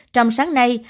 trong sáng nay